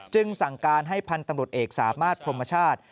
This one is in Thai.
สั่งการให้พันธุ์ตำรวจเอกสามารถพรมชาติ